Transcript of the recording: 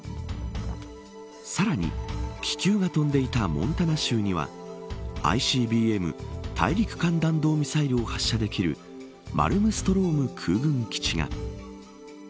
さらに気球が飛んでいたモンタナ州にはＩＣＢＭ大陸間弾道ミサイルを発射できるマルムストローム空軍基地が。